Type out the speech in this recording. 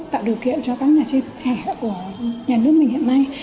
tạo điều kiện cho các nhà chơi thực trẻ của nhà nước mình hiện nay